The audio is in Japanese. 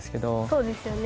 そうですよね。